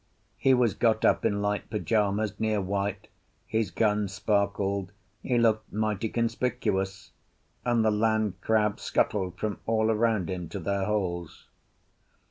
He was got up in light pyjamas, near white, his gun sparkled, he looked mighty conspicuous; and the land crabs scuttled from all round him to their holes.